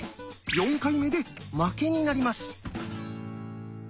４回目で負けになります。